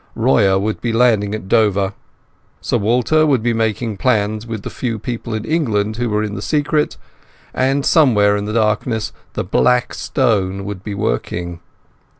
Royer would be landing at Dover, Sir Walter would be making plans with the few people in England who were in the secret, and somewhere in the darkness the Black Stone would be working.